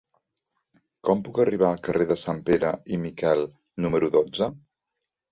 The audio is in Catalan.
Com puc arribar al carrer de Sanpere i Miquel número dotze?